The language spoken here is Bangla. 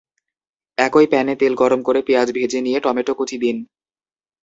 একই প্যানে তেল গরম করে পেঁয়াজ ভেজে নিয়ে টমেটো কুচি দিন।